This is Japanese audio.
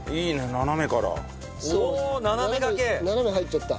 斜め入っちゃった。